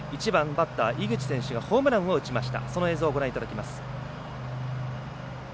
１番バッター井口選手がホームランを打ちました。